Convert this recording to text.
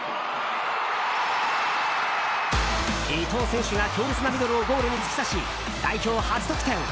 伊藤選手が強烈なミドルをゴールに突き刺し代表初得点。